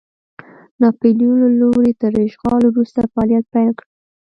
ناپلیون له لوري تر اشغال وروسته فعالیت پیل کړ.